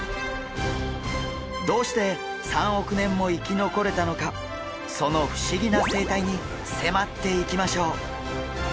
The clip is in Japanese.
どうして３億年も生き残れたのかその不思議な生態に迫っていきましょう。